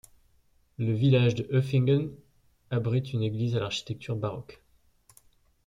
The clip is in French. Le village de Öfingen abrite une église à l'architecture baroque.